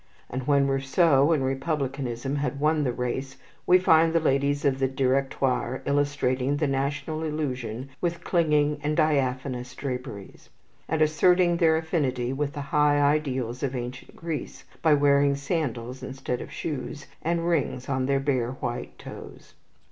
And when Rousseau and republicanism had won the race, we find the ladies of the Directoire illustrating the national illusions with clinging and diaphanous draperies; and asserting their affinity with the high ideals of ancient Greece by wearing sandals instead of shoes, and rings on their bare white toes.